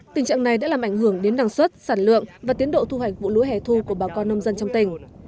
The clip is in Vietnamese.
tình trạng này đã làm ảnh hưởng đến năng suất sản lượng và tiến độ thu hoạch vụ lúa hẻ thu của bà con nông dân trong tỉnh